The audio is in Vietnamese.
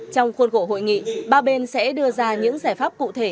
trong khuôn khổ hội nghị ba bên sẽ đưa ra những giải pháp cụ thể